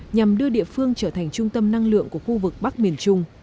nhằm đưa địa phương trở thành trung tâm năng lượng của khu vực bắc miền trung